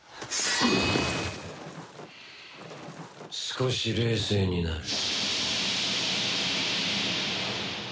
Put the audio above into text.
少し冷静になれ。